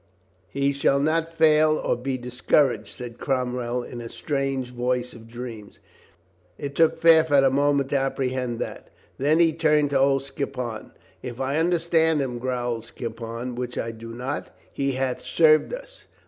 "He shall not fail or be discouraged," said Cromwell in a strange voice of dreams. It took Fairfax a moment to apprehend that. Then he turned to old Skippon. "If I understand him," growled Skippon, "which I do not, he hath served us.